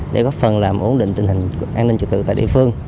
để góp phần làm ổn định tình hình an ninh trật tự tại địa phương